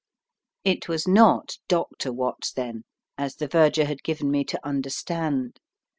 It was not Dr. Watts, then, as the verger had given me to understand.